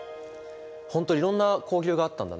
本当いろんな交流があったんだね。